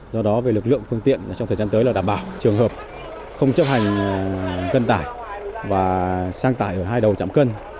do đó về lực lượng phương tiện trong thời gian tới là đảm bảo trường hợp không chấp hành cân tải và sang tải ở hai đầu chạm cân